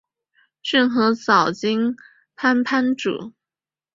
骏河沼津藩藩主。